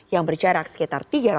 yang berjarak sekitar tiga ratus meter